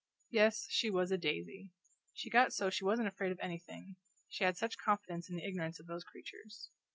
Yes, she was a daisy! She got so she wasn't afraid of anything, she had such confidence in the ignorance of those creatures.